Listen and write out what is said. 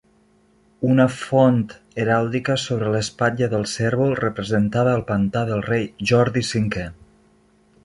Una font heràldica sobre l'espatlla del cérvol representava el pantà del rei Jordi V.